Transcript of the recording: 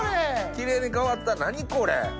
キレイに変わった何これ！